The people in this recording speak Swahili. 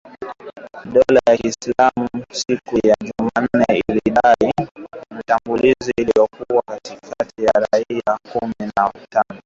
Dola ya Kiislamu siku ya Jumanne lilidai kuhusika na shambulizi lililoua takribani raia kumi na watano